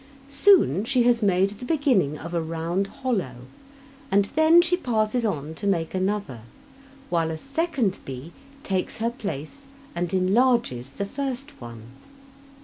Soon she has made the beginning of a round hollow, and then she passes on to make another, while a second bee takes her place and enlarges the first one.